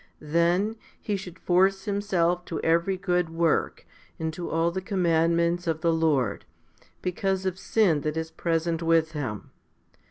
Then he should force himself to every good work and to all the commandments of the Lord, because of sin that is present with him.